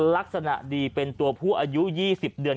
ลักษณะดีเป็นตัวผู้อายุ๒๐เดือน